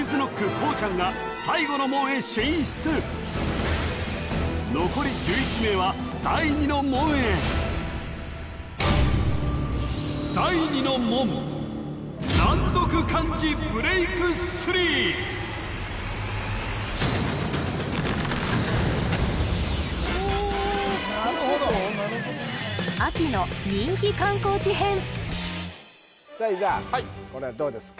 こうちゃんが最後の門へ進出残り１１名は第二の門へさあ伊沢これはどうですか？